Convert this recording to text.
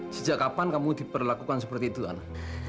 sejak kapan kamu diperlakukan seperti itu anak